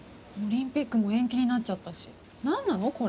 オリンピックも延期になっちゃったし何なの？